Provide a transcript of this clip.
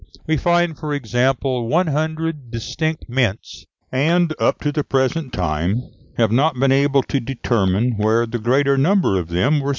We find, for example, one hundred distinct mints, and, up to the present time, have not been able to determine where the greater number of them were situated.